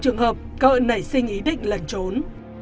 trường hợp cỡ nảy sinh ý định lẩn trốn